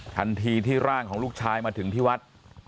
ทันทีที่ร่างของลูกชายมาถึงที่วัด